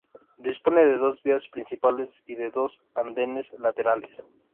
Dispone de dos vías principales y de dos andenes laterales.